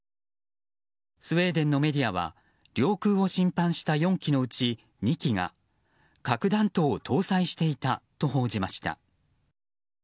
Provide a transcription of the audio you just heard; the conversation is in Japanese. スウェーデンのメディアは領空を侵犯した４機のうち２機が核弾頭を搭載していたと報じました。